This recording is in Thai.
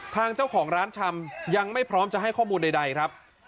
ทางเจ้าของร้านชำยังไม่พร้อมจะให้ข้อมูลใดครับ